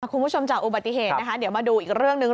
คุณผู้ชมจากอุบัติเหตุนะคะเดี๋ยวมาดูอีกเรื่องหนึ่ง